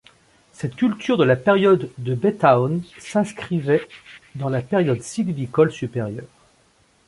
Cette culture de la période de Baytown s’incrivait dans la période sylvicole supérieure.